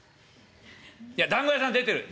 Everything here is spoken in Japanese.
「いやだんご屋さん出てる」。